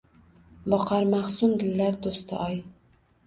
Boqar mahzun dillar doʻsti – oy.